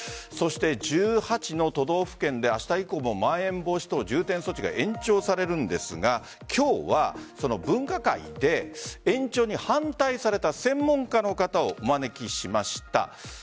そして１８の都道府県で明日以降もまん延防止等重点措置が延長されるんですが今日は分科会で延長に反対された専門家の方をお招きしました。